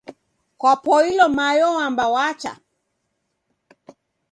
Kwapoilo mayo wamba wacha